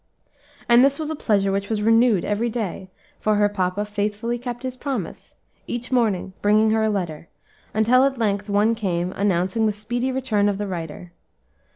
And this was a pleasure which was renewed every day, for her papa faithfully kept his promise, each morning bringing her a letter, until at length one came announcing the speedy return of the writer.